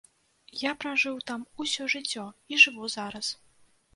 Я пражыў там усё жыццё і жыву зараз.